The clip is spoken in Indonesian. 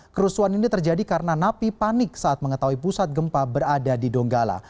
kerusuhan ini terjadi karena napi panik saat mengetahui pusat gempa berada di donggala